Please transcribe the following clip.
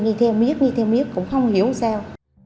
nghe theo miếng nghe theo miếng cũng không hiểu sao